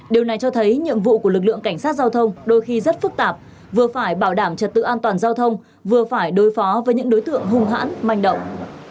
điều này cho thấy nhiệm vụ của lực lượng cảnh sát giao thông đôi khi rất phức tạp vừa phải bảo đảm trật tự an toàn giao thông vừa phải đối phó với những đối tượng hung hãn manh động